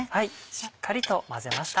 しっかりと混ぜました。